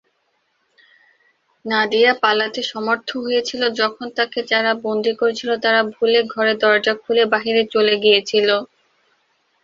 নাদিয়া পালাতে সমর্থ হয়েছিল যখন তাকে যারা বন্দী করেছিল তারা ভুলে ঘরের দরজা খুলে বাহিরে চলে গিয়েছিল।